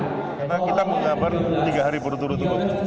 karena kita mengabar tiga hari berut urut